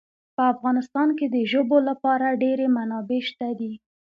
په افغانستان کې د ژبو لپاره ډېرې منابع شته دي.